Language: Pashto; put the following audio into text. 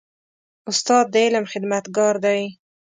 استاد د علم خدمتګار دی.